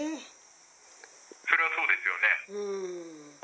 それはそうですよね。